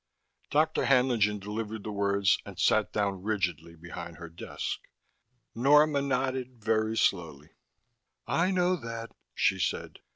Dr. Haenlingen delivered the words and sat down rigidly behind her desk. Norma nodded, very slowly. "I know that," she said.